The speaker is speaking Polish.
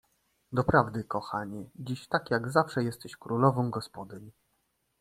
"Doprawdy kochanie, dziś tak jak i zawsze jesteś królową gospodyń!"